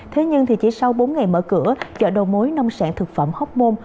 thế nhưng chỉ sau bốn ngày mở cửa chợ đầu mối nông sản thực phẩm hóc môn